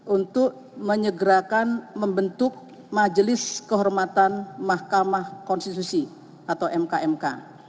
untuk menyegerakan membentuk majelis kehormatan mahkamah konstitusi atau mkmk